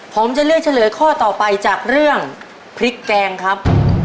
ผมจะเลือกเฉลยข้อต่อไปจากเรื่องพริกแกงครับ